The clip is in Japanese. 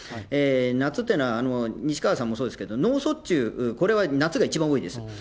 夏っていうのは西川さんもそうですけど、脳卒中、これは夏が一番多いです。